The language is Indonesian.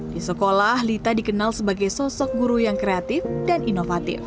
di sekolah lita dikenal sebagai sosok guru yang kreatif dan inovatif